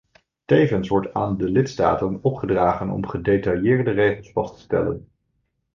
Tevens wordt aan de lidstaten opgedragen om gedetailleerde regels vast te stellen.